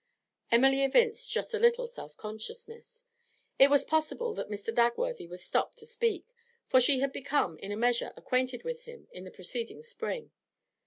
Emily evinced just a little self consciousness. It was possible that Mr. Dagworthy would stop to speak, for she had become, in a measure, acquainted with him in the preceding spring.